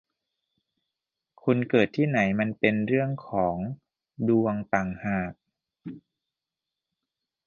คุณเกิดที่ไหนมันเป็นเรื่องของดวงต่างหาก